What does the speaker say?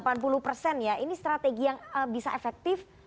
ini strategi yang bisa efektif